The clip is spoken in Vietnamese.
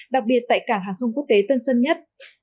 đặc biệt tại cảng hàng không quốc tế tân sơn nhất